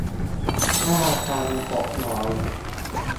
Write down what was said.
ห้าพันหกร้อย